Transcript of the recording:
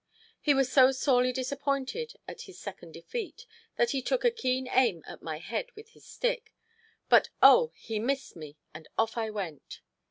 He was so sorely disappointed at his second defeat, that he took a keen aim at my head with his stick; but oh! he missed me and off I went.